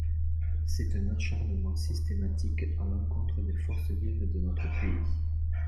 C’est un acharnement systématique à l’encontre des forces vives de notre pays.